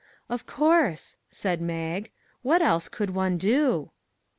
" Of course," said Mag. " What else could one do?"